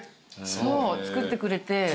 そう作ってくれて。